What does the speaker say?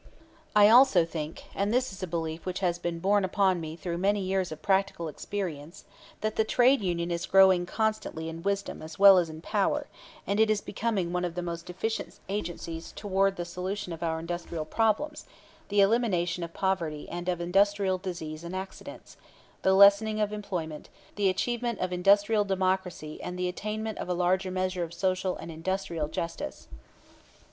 I also think and this is a belief which has been borne upon me through many years of practical experience that the trade union is growing constantly in wisdom as well as in power, and is becoming one of the most efficient agencies toward the solution of our industrial problems, the elimination of poverty and of industrial disease and accidents, the lessening of unemployment, the achievement of industrial democracy and the attainment of a larger measure of social and industrial justice.